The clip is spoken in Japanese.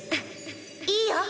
いいよ